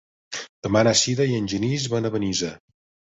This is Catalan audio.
Demà na Sira i en Genís van a Benissa.